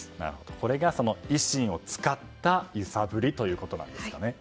これが、その維新を使ったゆさぶりということなんですかね。